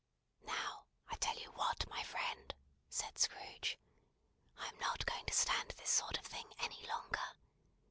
"Now, I'll tell you what, my friend," said Scrooge, "I am not going to stand this sort of thing any longer.